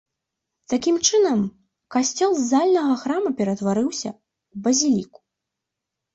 Такім чынам касцёл з зальнага храма ператварыўся ў базіліку.